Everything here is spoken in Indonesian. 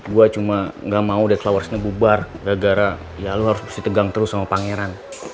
gue cuma gak mau dead flowersnya bubar gara gara ya lo harus mesti tegang terus sama pangeran